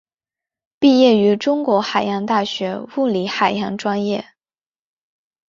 毕业于中国海洋大学物理海洋专业。